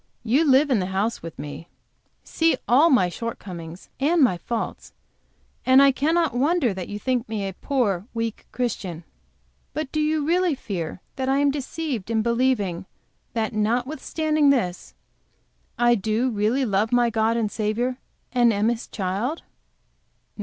You live in the house with me, see all my shortcomings and my faults, and I cannot wonder that you think me a poor, weak Christian. But do you really fear that I am deceived in believing that notwithstanding this I do really love my God and Saviour and am His Child?"